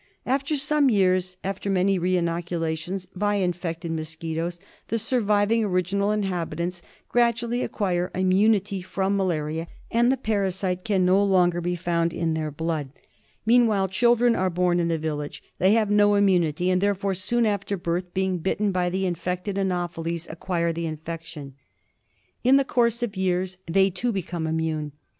After some years, and after many re inocula tions by infected mosquitoes, the surviving original in habitants gradually acquire immunity from malaria and the j)arasite can no longer be found in their blood. Meanwhile children are born in the village. They have no immunity, and therefore, soon after birth, being bitten by the infected anopheles, acquire the infection. In the course of years they too become immune.